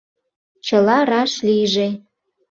Чыла раш лийже.